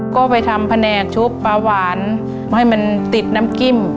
ก็ไปทำแผนกชุบปลาหวานให้มันติดน้ำจิ้ม